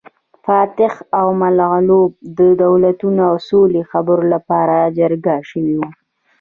فاتح او مغلوب دولتونه د سولې خبرو لپاره جرګه شوي وو